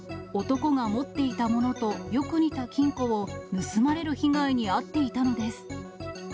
男が持っていたものと、よく似た金庫を盗まれる被害に遭っていたのです。